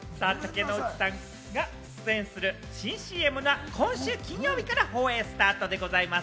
竹野内さんが出演する新ＣＭが今週金曜日から放映スタートでございます。